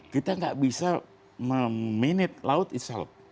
kita nggak bisa memenit laut itself